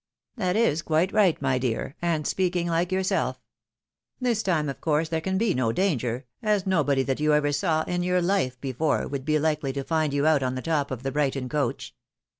" That is quite right, my dear, and speaking like yourself. This time, of course, there can be no danger, as nobody that you ever saw in your hfe before would be likely to find you out on the top of the Brighton coach.